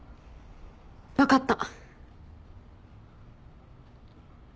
分かった。